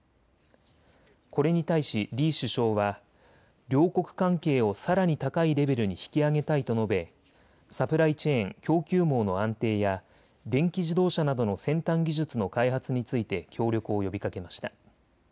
これに対し李首相は両国関係をさらに高いレベルに引き上げたいと述べサプライチェーン・供給網の安定や電気自動車などの先端技術の開発について協力を呼びかけました。